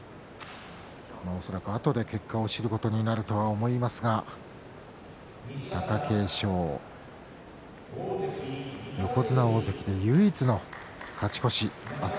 あとで結果を知ることになると思いますが貴景勝、横綱大関で唯一の勝ち越しです。